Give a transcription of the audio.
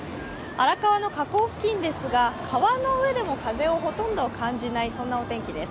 荒川の河口付近ですが、川の上でも風をほとんど感じない、そんなお天気です。